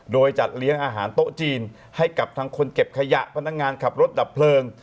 โดยจัดเลี้ยงอาหารโต๊ะจีนให้กับทางคนเก็บขยะพนักงานขับรถดับเพลิง